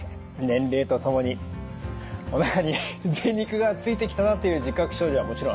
年齢とともにおなかにぜい肉がついてきたなという自覚症状はもちろんあります。